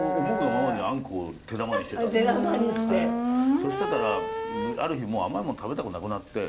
そうしてたらある日もう甘いもの食べたくなくなって。